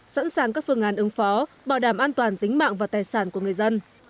sẵn sàng các phương án ứng phó bảo đảm an toàn tính mạng và tài sản của người dân